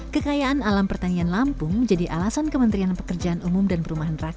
kekayaan alam pertanian lampung menjadi alasan kementerian pekerjaan umum dan perumahan rakyat